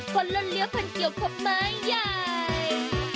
คนเลือดเหลือคนเกี่ยวกับมือใหญ่